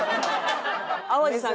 淡路さん